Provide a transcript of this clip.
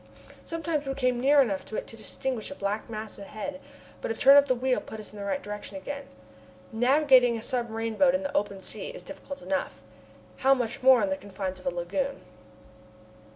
Sometimes we came near enough to it to distinguish a black mass ahead of it, but a turn of the wheel put us in the right direction again. Navigating a submarine boat in the open sea is difficult enough. How much more so in the confines of a lagoon!